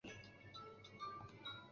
直隶乙酉乡试。